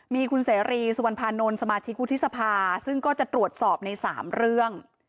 มีคุณเสรีสุวรรณภานนท์สมาชิกวุฒิสภาซึ่งก็จะตรวจสอบใน๓เรื่อง